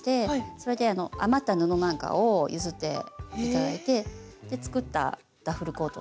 それで余った布なんかを譲って頂いて作ったダッフルコート。